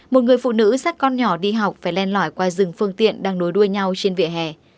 một người phụ nữ sát con nhỏ đi học phải len lỏi qua rừng phương tiện đang nối đuôi nhau trên vỉa hè